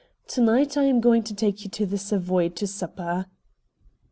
To night I am going to take you to the Savoy to supper."